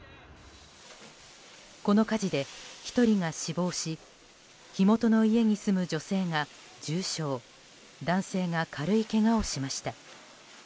この火事で１人が死亡し火元の家に住む女性が重傷男性が軽いけがをしました。